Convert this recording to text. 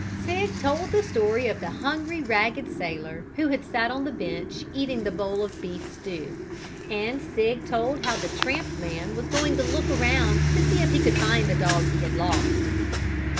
Sig told the story of the hungry, ragged sailor who sat on the bench eating the bowl of beef stew. And Sig told how the tramp man was going to look around to see if he could find the dog he had lost.